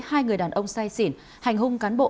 hai người đàn ông say xỉn hành hung cán bộ